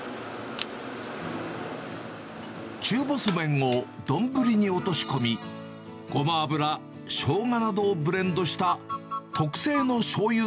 中細麺を丼に落とし込み、ごま油、しょうがなどをブレンドした特製のしょうゆ